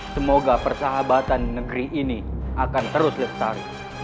semoga persahabatan negeri ini akan terus lestari